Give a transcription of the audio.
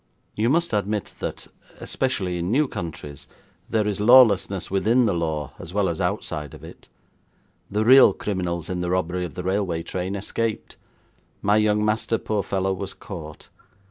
You must admit that, especially in new countries, there is lawlessness within the law as well as outside of it. The real criminals in the robbery of the railway train escaped; my young master, poor fellow, was caught.